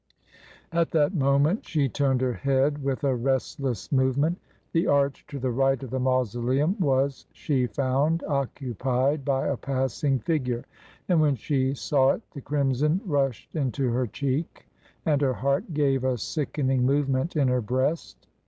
At that moment she turned her head with a restless movement. The arch to the right of the Mausoleum was, she found, occupied by a passing figure. And when she saw it the crimson rushed into her cheek and her heart gave a sickening movement in her breast.